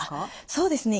そうですね。